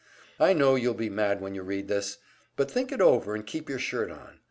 I know you'll be mad when you read this, but think it over and keep your shirt on.